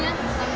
yang berapa sih